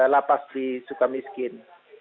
lapas di sukamiskin